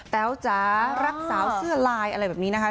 แต๋วจ๋ารักสาวเสื้อลายอะไรแบบนี้นะคะ